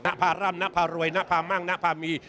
น่าพาร่ำน่าพารวยน่าพามั่งน่าพามี